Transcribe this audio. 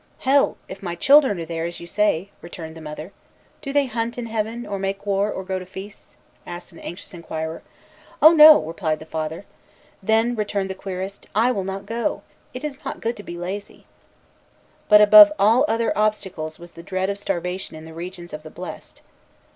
"Hell, if my children are there, as you say," returned the mother. "Do they hunt in Heaven, or make war, or go to feasts?" asked an anxious inquirer. "Oh, no!" replied the Father. "Then," returned the querist, "I will not go. It is not good to be lazy." But above all other obstacles was the dread of starvation in the regions of the blest.